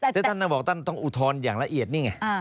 แต่ท่านต้องบอกท่านต้องอุทธรณ์อย่างละเอียดนี่ไง